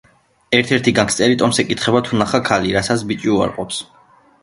ერთ-ერთი განგსტერი ტომს ეკითხება თუ ნახა ქალი, რასაც ბიჭი უარყოფს.